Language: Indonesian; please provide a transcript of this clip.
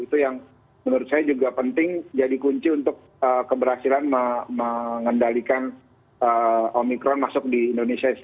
itu yang menurut saya juga penting jadi kunci untuk keberhasilan mengendalikan omikron masuk di indonesia